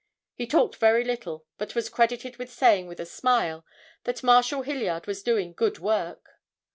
He talked very little but was credited with saying with a smile, that Marshal Hilliard was doing good work.